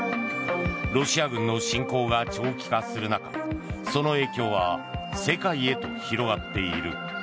ロシア軍の侵攻が長期化する中その影響は世界へと広がっている。